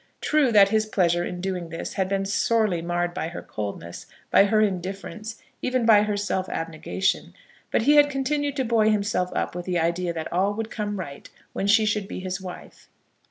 True that his pleasure in doing this had been sorely marred by her coldness, by her indifference, even by her self abnegation; but he had continued to buoy himself up with the idea that all would come right when she should be his wife.